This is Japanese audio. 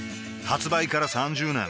発売から３０年